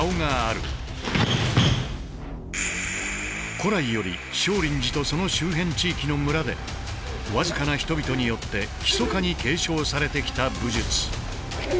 古来より少林寺とその周辺地域の村で僅かな人々によってひそかに継承されてきた武術。